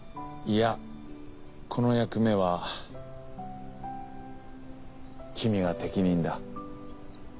いやこの役目は君が適任だ。